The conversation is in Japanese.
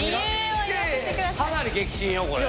かなり激震よこれ。